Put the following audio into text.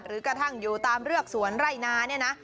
กระทั่งอยู่ตามเรือกสวนไร่นาเนี่ยนะ